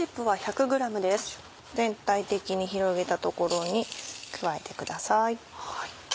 はい。